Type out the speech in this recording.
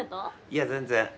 いや全然！